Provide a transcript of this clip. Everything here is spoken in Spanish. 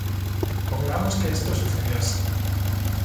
Pongamos que esto sucedió así.